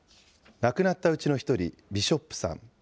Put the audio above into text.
亡くなったうちの１人、ビショップさん。